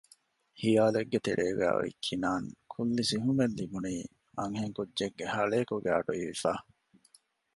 ހިޔާލެއްގެ ތެރޭގައި އޮތް ކިނާން ކުއްލި ސިހުމެއް ލިބުނީ އަންހެން ކުއްޖެއްގެ ހަޅޭކުގެ އަޑުއިވިފަ